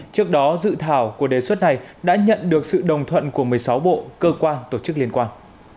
trước đó dự thảo của đề xuất này đã nhận được sự đồng thuận của một mươi sáu bộ cơ quan tổ chức liên quan